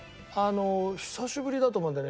久しぶりだと思うんだよね